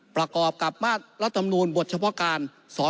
ประกอบกับรัฐธรรมนูญบทเฉพาะการ๒๗๒